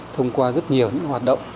thông qua rất nhiều hoạt động